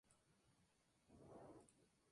Del clero de Valparaíso.